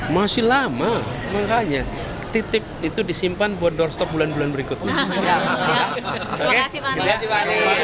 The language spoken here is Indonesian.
masih lama makanya titip itu disimpan buat doorstop bulan bulan berikutnya